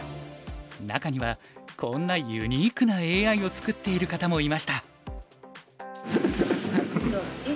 中にはこんなユニークなＡＩを作っている方もいました。